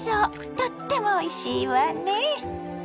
とってもおいしいわね。